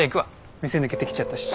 店抜けてきちゃったし。